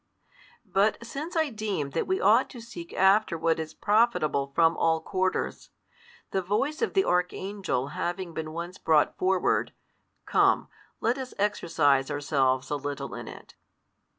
But since I deem that we ought to seek after what is profitable from all quarters; the voice of the archangel having been once brought forward, come, let us exercise ourselves a little in it.